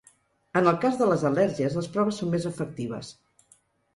En el cas de les al·lèrgies les proves són més efectives.